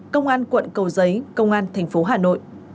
công an quận cầu giấy công an thành phố hà nội